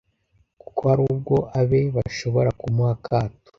kuko hari ubwo abe bashobora kumuha akato.